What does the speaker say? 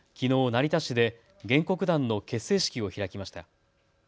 成田市で原告団の結成式を開きました。